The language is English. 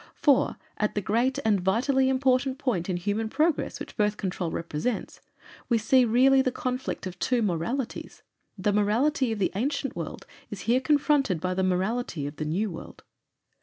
For, at the great and vitally important point in human progress which Birth Control represents, we see really the conflict of two moralities. The morality of the ancient world is here confronted by the morality of the new world.